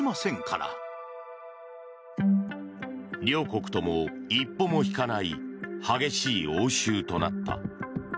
両国とも一歩も引かない激しい応酬となった。